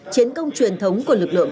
chiến công truyền thống của lực lượng